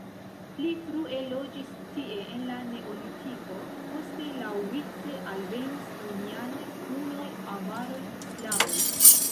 Pli frue loĝis tie en la neolitiko, poste laŭvice alvenis romianoj, hunoj, avaroj, slavoj.